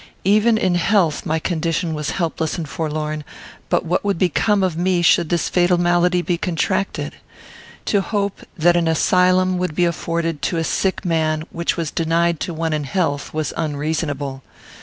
Even in health my condition was helpless and forlorn; but what would become of me should this fatal malady be contracted? To hope that an asylum would be afforded to a sick man, which was denied to one in health, was unreasonable.